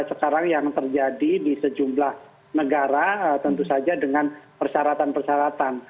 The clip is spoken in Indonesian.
sekarang yang terjadi di sejumlah negara tentu saja dengan persyaratan persyaratan